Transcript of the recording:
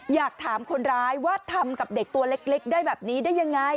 อยากถามคนร้ายว่าทำกับเด็กตัวเล็กได้แบบนี้ได้ยังไง